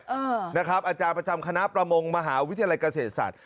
นะครับอาจารย์ประจำคณะประมงมหาวิทยาลัยเกษตรศาสตร์